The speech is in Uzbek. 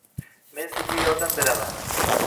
Men sizga yordam beraman.